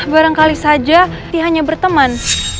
barangkali saja dia hanya berteman